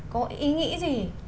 có ý nghĩ gì